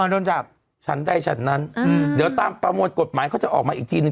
โดนจับฉันใดฉันนั้นอืมเดี๋ยวตามประมวลกฎหมายเขาจะออกมาอีกทีหนึ่ง